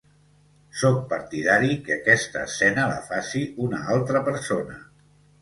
Soc partidari que aquesta escena la faci una altra persona.